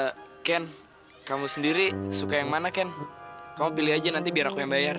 ya ken kamu sendiri suka yang mana ken kamu pilih aja nanti biar aku yang bayar